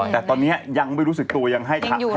แต่ตอนนี้ยังไม่รู้สึกตัวยังให้